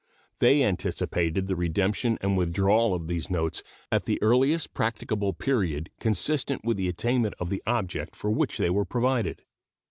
They anticipated the redemption and withdrawal of these notes at the earliest practicable period consistent with the attainment of the object for which they were provided.